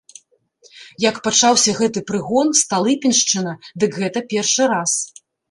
Як пачаўся гэты прыгон, сталыпіншчына, дык гэта першы раз.